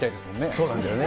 そうなんだよね。